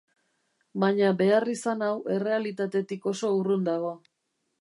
Baina beharrizan hau errealitatetik oso urrun dago.